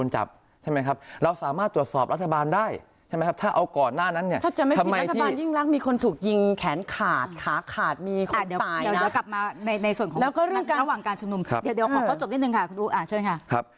ระหว่างการชมนุมเดี๋ยวขอข้อจบนิดนึงค่ะคุณอู๋เชิญค่ะ